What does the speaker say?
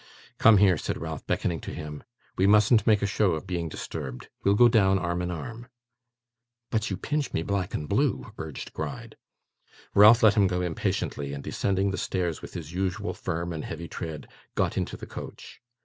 'Come here,' said Ralph, beckoning to him. 'We mustn't make a show of being disturbed. We'll go down arm in arm.' 'But you pinch me black and blue,' urged Gride. Ralph let him go impatiently, and descending the stairs with his usual firm and heavy tread, got into the coach.